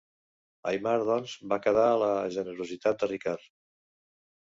Aimar doncs va quedar a la generositat de Ricard.